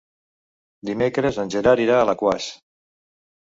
Dimecres en Gerard irà a Alaquàs.